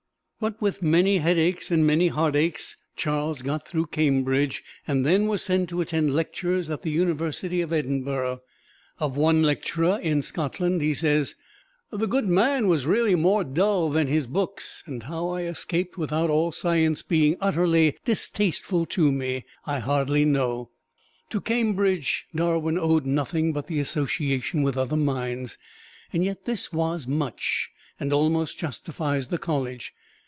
But with many headaches and many heartaches Charles got through Cambridge and then was sent to attend lectures at the University of Edinburgh. Of one lecturer in Scotland he says, "The good man was really more dull than his books, and how I escaped without all science being utterly distasteful to me I hardly know." To Cambridge, Darwin owed nothing but the association with other minds, yet this was much, and almost justifies the college.